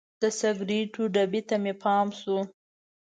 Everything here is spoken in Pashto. د سګریټو ډبي ته مې پام شو.